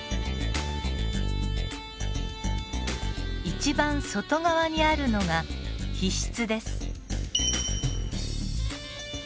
一番外側にあるのが皮質です。